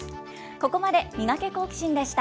ここまでミガケ、好奇心！でした。